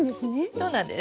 そうなんです。